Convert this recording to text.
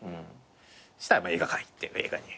そしたら映画館行って映画に。